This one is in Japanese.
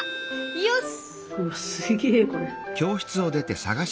よし！